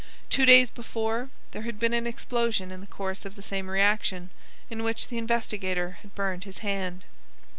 Two days before, there had been an explosion in the course of the same reaction, in which the investigator had burned his hand.